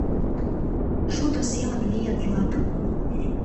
Шудо семын лийыт лап.